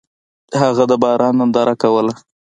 هغه د باران ننداره کوله.